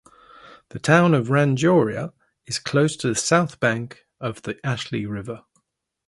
The town of Rangiora is close to the south bank of the Ashley River.